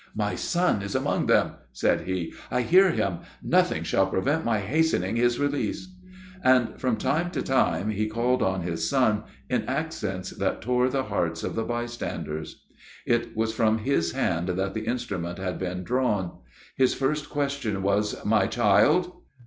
"My son is among them," said he, "I hear him; nothing shall prevent my hastening his release;" and, from time to time, he called on his son, in accents that tore the hearts of the bystanders. It was from his hand that the instrument had been drawn. His first question was "my child?"